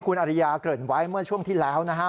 คุณอริยาเกริ่นไว้เมื่อช่วงที่แล้วนะฮะ